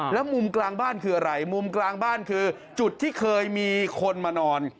แล้วมุมกลางบ้านคืออะไรมุมกลางบ้านคือจุดที่เคยมีคนมานอน